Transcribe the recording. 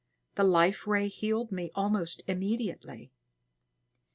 The Life Ray healed me almost immediately."